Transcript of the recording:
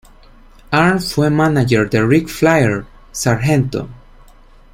Arn fue mánager de Ric Flair, Sgt.